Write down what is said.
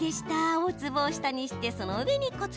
大粒を下にしてその上に小粒。